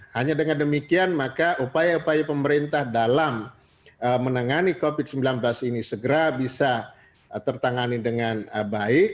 hanya dengan demikian maka upaya upaya pemerintah dalam menangani covid sembilan belas ini segera bisa tertangani dengan baik